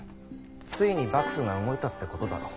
ついに幕府が動いたってことだろ。